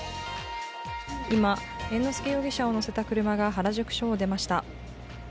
今、猿之助容疑者を乗せた車が原宿署を出ました。